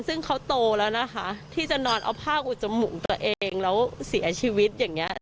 ซึ่งเขาโตแล้วนะคะที่จะนอนเอาผ้าอุดจมูกตัวเองแล้วเสียชีวิตอย่างนี้